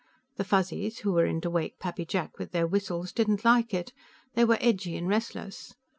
The Fuzzies, who were in to wake Pappy Jack with their whistles, didn't like it; they were edgy and restless.